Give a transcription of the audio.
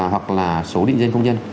hoặc là số định dân công dân